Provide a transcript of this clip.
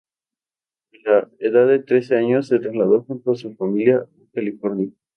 A la edad de trece años se trasladó junto a su familia a California.